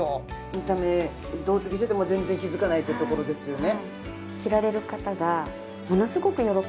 見た目どうつぎしてても全然気づかないってところですよね。